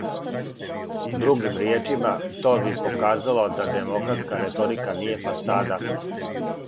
Другим ријечима, то би показало да демократска реторика није фасада.